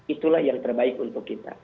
itulah yang terbaik untuk kita